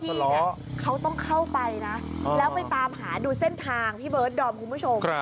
ที่เขาต้องเข้าไปนะแล้วไปตามหาดูเส้นทางพี่เบิร์ดดอมคุณผู้ชม